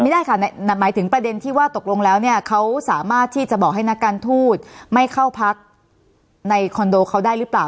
ไม่ได้ค่ะหมายถึงประเด็นที่ว่าตกลงแล้วเนี่ยเขาสามารถที่จะบอกให้นักการทูตไม่เข้าพักในคอนโดเขาได้หรือเปล่า